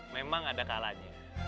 memang ada kesalahan